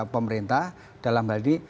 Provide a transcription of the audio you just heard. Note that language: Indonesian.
pemerintah dalam hal ini